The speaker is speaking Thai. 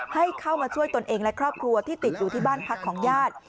ให้เข้ามาช่วยตนเองและครอบครัวที่ติดอยู่ที่บ้านพักของญาติ